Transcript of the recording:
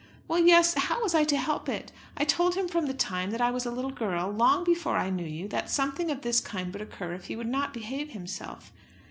"Well, yes; how was I to help it? I told him from the time that I was a little girl, long before I knew you, that something of this kind would occur if he would not behave himself."